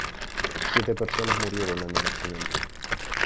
Siete personas murieron en el accidente.